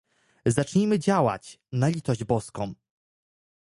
Zacznijmy działać, na litość boską!